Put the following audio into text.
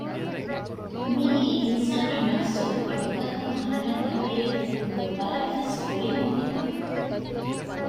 މިއީ އިންސާނީ ނަފުސު ވަކިގޮތަކަށް ހާނައި ތަރްބިޔަތު ކުރުމުގެ ވަރަށްވެސް ފުރިހަމަ ގޮތެއް